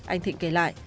anh thịnh kể lại